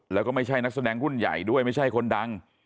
แล้วก็ไม่ใช่นักแสดงรุ่นใหญ่ด้วยไม่ใช่คนดัง